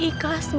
ibu tenang ya ibu